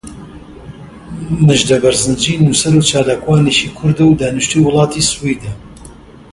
مژدە بەرزنجی نووسەر و چالاکوانێکی کوردە و دانیشتووی وڵاتی سویدە.